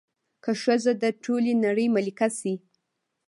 که ښځه د ټولې نړۍ ملکه شي